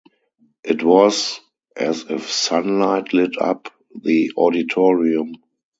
It was as if sunlight lit up the auditorium.